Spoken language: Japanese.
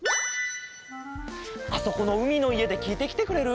あそこのうみのいえできいてきてくれる？